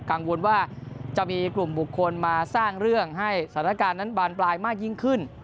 กังวลว่าจะมีกลุ่มบุคคลมาสร้างเรื่องให้สถานการณ์นั้นบานปลายมากยิ่งขึ้น